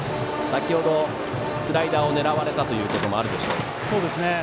先程スライダーを狙われたこともあるでしょうか。